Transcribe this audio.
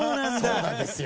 そうなんですよ。